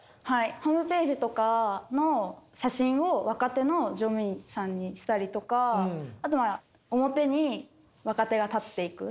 ホームページとかの写真を若手の乗務員さんにしたりとかあとは表に若手が立っていく。